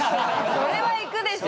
それは行くでしょ。